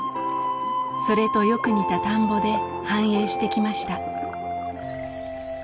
それとよく似た田んぼで繁栄してきました。